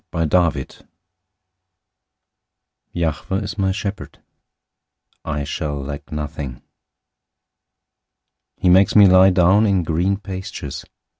023:001 <> Yahweh is my shepherd: I shall lack nothing. 023:002 He makes me lie down in green pastures.